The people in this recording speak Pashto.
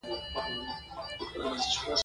دوی باید په حساب کې پنځه زره زیمبابويي ډالر لرلای.